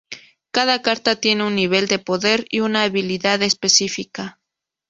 Cada carta tiene un nivel de poder y una habilidad específica.